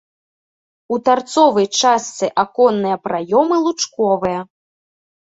У тарцовай частцы аконныя праёмы лучковыя.